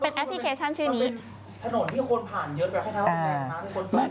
อาที๓อาที๔ก็ไม่ค่อยมีคนผ่าน